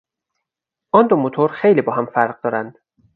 آن دو موتور خیلی با هم فرق دارند.